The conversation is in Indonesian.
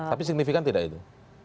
tapi signifikan tidak itu